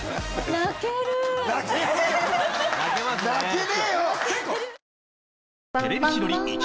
泣けねえよ！